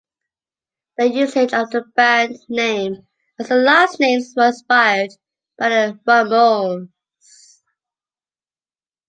Their usage of the band name as their last names was inspired by the Ramones.